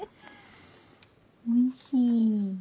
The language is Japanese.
おいしい。